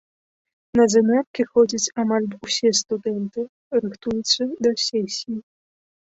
На заняткі ходзяць амаль усе студэнты, рыхтуюцца да сесіі.